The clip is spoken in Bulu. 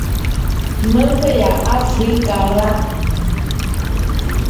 Me veya Afrikara.